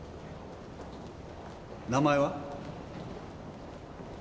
名前は？